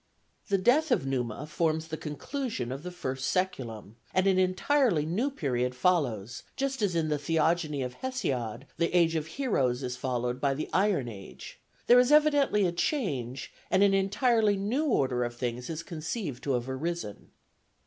The death of Numa forms the conclusion of the first sæculum, and an entirely new period follows, just as in the Theogony of Hesiod the age of heroes is followed by the iron age; there is evidently a change, and an entirely new order of things is conceived to have arisen.